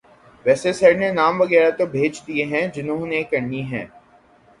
ویسے سر نے نام وغیرہ تو بھیج دیے ہیں جنہوں نے کرنی ہے۔